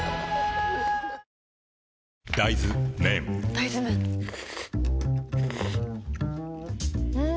大豆麺ん？